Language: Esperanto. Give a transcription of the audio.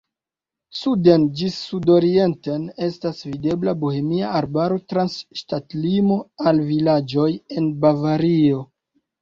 Suden ĝis sudorienten estas videbla Bohemia arbaro, trans ŝtatlimo al vilaĝoj en Bavario.